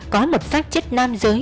có một sát chết nam giới